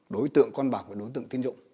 đối tượng con bạc và đối tượng tiên dụng